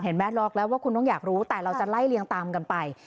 แม่ล็อกแล้วว่าคุณต้องอยากรู้แต่เราจะไล่เลียงตามกันไป